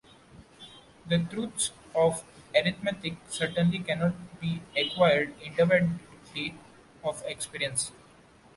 The truths of arithmetic, certainly cannot be acquired independently of experience.